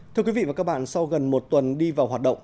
thưa quý vị và các bạn sau gần một tuần đi vào hoạt động